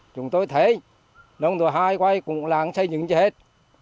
chúng tôi thấy lúc đó hai quay cùng lãng xây dựng cho hết